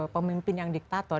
pemimpin yang diktator